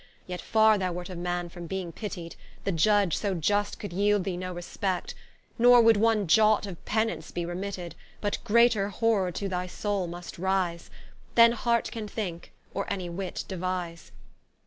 Yet farre thou wert of Man from beeing pittied, The Iudge so iust could yeeld thee no respect, Nor would one jot of penance be remitted; But greater horror to thy Soule must rise, Than Heart can thinke, or any Wit devise.